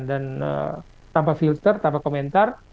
dan tanpa filter tanpa komentar